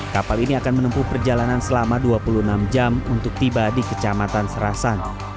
kapal ini akan menempuh perjalanan selama dua puluh enam jam untuk tiba di kecamatan serasan